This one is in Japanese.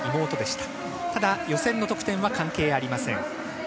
ただ予選の得点は関係ありません。